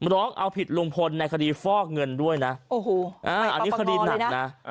ร้องเอาผิดลุงพลในคดีฟอกเงินด้วยนะโอ้โหอันนี้คดีหนักนะ